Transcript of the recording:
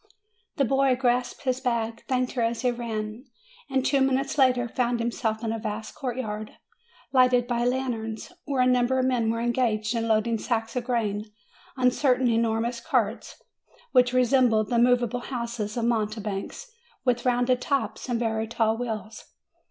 The lad grasped his bag, thanked her as he ran, and two minutes later found himself in a vast courtyard, lighted by lanterns, where a number of men were en gaged in loading sacks of grain on certain enormous carts which resembled the movable houses of mounte banks, with rounded tops, and very tall wheels.